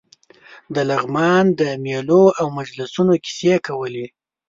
د لغمان د مېلو او مجلسونو کیسې کولې.